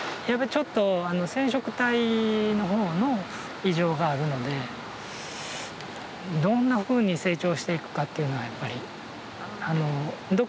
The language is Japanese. やっぱりちょっと染色体の方の異常があるのでどんなふうに成長していくかっていうのはやっぱりドクターでも読めないみたいで。